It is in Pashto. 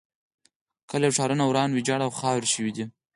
کلي او ښارونه وران ویجاړ او خاورې شوي دي.